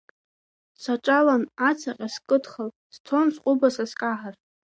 Саҿалан ацаҟьа скыдхалт, сцон сҟәыбаса скаҳар.